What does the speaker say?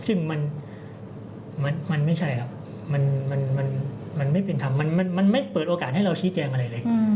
ซึ่งมันไม่ใช่ครับมันไม่เป็นธรรมมันไม่เปิดโอกาสให้เราชี้แจงอะไรเลย